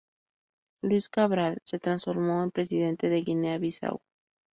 Luis Cabral se transformó en presidente de Guinea-Bisáu.